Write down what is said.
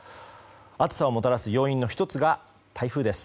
暑さをもたらす要因の１つが台風です。